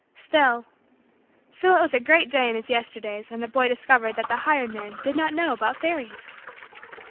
Still still it was a great day in his Yesterdays when the boy discovered that the hired man did not know about fairies.